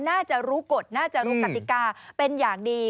น่าจะรู้กฎน่าจะรู้กติกาเป็นอย่างดี